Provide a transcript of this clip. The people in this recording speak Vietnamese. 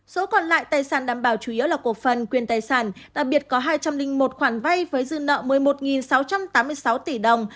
số còn lại tài sản đảm bảo chủ yếu là cổ phần quyền tài sản đặc biệt có hai trăm linh một khoản vay với dư nợ một mươi một sáu trăm tám mươi sáu tỷ đồng